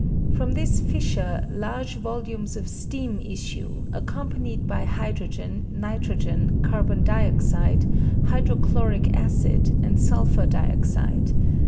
From this fissure large volumes of steam issue, accompanied by hydrogen, nitrogen, carbon dioxide, hydrochloric acid, and sulphur dioxide.